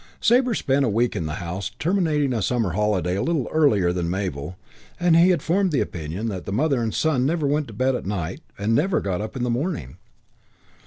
Sabre once spent a week in the house, terminating a summer holiday a little earlier than Mabel, and he had formed the opinion that mother and son never went to bed at night and never got up in the morning.